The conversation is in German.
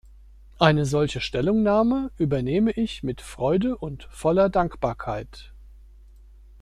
Eine solche Stellungnahme übernehme ich mit Freude und voller Dankbarkeit.